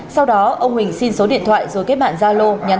sau đó ông huỳnh xin số điện thoại rồi kết bạn giao lô